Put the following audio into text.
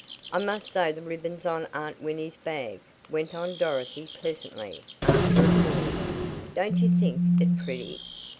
"I must sew the ribbons on Aunt Winnie's bag," went on Dorothy pleasantly after a pause. "Don't you think it pretty?"